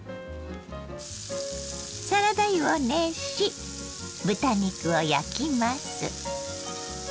サラダ油を熱し豚肉を焼きます。